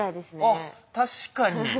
あっ確かに。